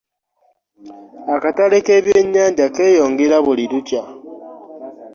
Akatale ke byennyanja keyongera buli lukya.